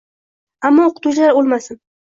Ammo o‘qituvchilar o‘lmasin.